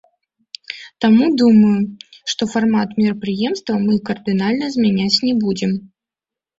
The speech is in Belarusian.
Таму думаю, што фармат мерапрыемства мы кардынальна змяняць не будзем.